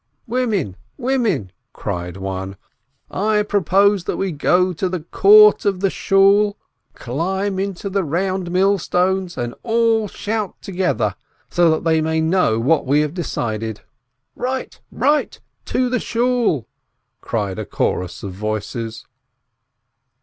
"Women, women," cried one, "I propose that we go to the court of the Shool, climb into the round mill WOMEN 475 stones, and all shout together, so that they may know what we have decided." "Eight ! Right ! To the Shool !" cried a chorus of voices.